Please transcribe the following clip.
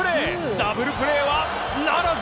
ダブルプレーはならず。